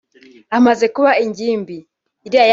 Amaze kuba ingimbi